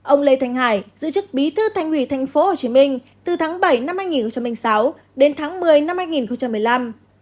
ông lê thành hải giữ chức bí thư thành quỷ thành phố hồ chí minh từ tháng bảy năm hai nghìn sáu đến tháng một mươi năm hai nghìn một mươi năm